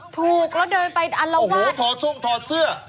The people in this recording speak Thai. ถูกแล้วเดินไปอลโอ้โหถอดทรงถอดเสื้อ